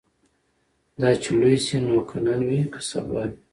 دا چي لوی سي نو که نن وي که سبا وي